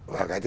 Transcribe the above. và cái thứ ba